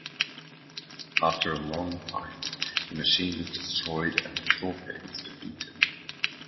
After a long fight, the machine is destroyed and Stalker is defeated.